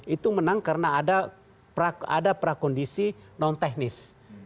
itu menang karena ada prakondisi non teknis